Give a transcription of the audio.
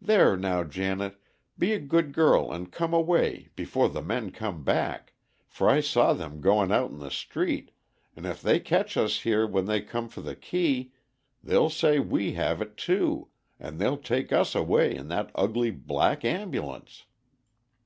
There now, Janet, be a good girl and come away, before the men come back, for I saw them goin' out in the street, an' if they catch us here when they come for the key, they'll say we have it too, and they'll take us away in that ugly black ambulance."